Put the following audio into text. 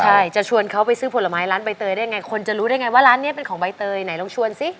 ใช่จะชวนเขาไปซื้อผลไม้ร้านใบเตยได้ยังไงคนจะรู้ได้ไงว่าร้านนี้เป็นของใบเตยไหนลองชวนซิ